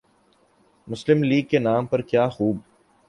مسلم لیگ کے نام پر کیا خوب